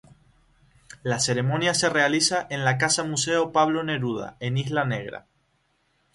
La ceremonia se realiza en la Casa Museo Pablo Neruda en Isla Negra.